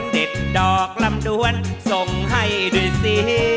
ดอกลำดวนส่งให้ด้วยสิ